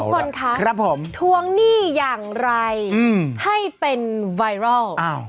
คนคะทวงหนี้อย่างไรให้เป็นไวรัล